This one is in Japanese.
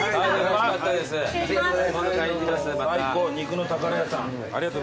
最高肉の宝屋さん。